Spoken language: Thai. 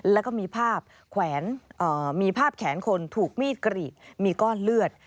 แล้วก็มีภาพแขวนมีภาพแขนคนถูกมีดกรีดมีก้อนเลือด